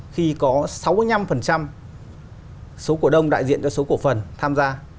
khi có sáu mươi năm số cổ đông đại diện cho số cổ phần tham gia